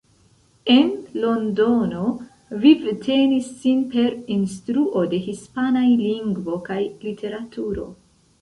En Londono vivtenis sin per instruo de hispanaj lingvo kaj literaturo.